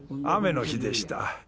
雨の日でした。